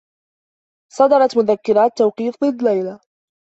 صدرت مذكّرات توقيف ضدّ ليلى.